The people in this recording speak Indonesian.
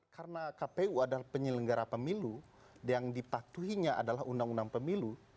karena kpu adalah penyelenggara pemilu yang dipatuhinya adalah undang undang pemilu